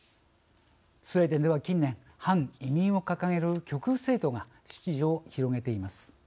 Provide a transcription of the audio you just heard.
スウェーデンでは、近年反移民を掲げる極右政党が支持を広げています。